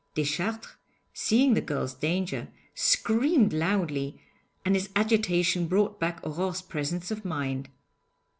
Deschartres, seeing the girl's danger, screamed loudly, and his agitation brought back Aurore's presence of mind.